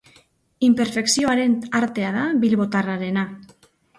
Inperfekzioaren artea da bilbotarrarena.